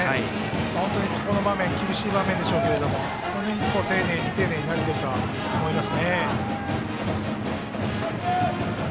本当に、ここの場面厳しい場面でしょうけど丁寧に投げているとは思います。